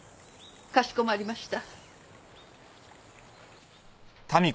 かしこまりました。